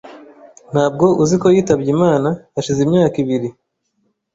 Ntabwo uzi ko yitabye Imana hashize imyaka ibiri?